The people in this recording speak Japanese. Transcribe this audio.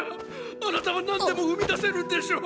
あなたは何でも生み出せるんでしょう⁉